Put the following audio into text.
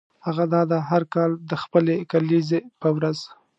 هغه دا ده هر کال د خپلې کلیزې په ورځ.